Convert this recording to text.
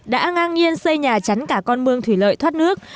đã ngang nhiên xây nhà chắn cả con mương thủy lợi thoát nước